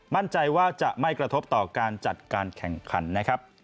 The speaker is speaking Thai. มั่นใจว่าจะไม่กระทบต่อการจัดการแข่งขันนะครับ